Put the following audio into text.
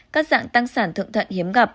các dạng tăng sản thượng thuận hiếm gặp